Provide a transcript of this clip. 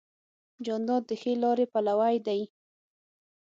جانداد د ښې لارې پلوی دی.